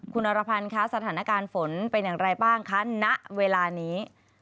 คุณอรพันธ์คะสถานการณ์ฝนเป็นอย่างไรบ้างคะณเวลานี้